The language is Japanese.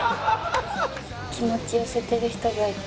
気持ち寄せてる人がいて。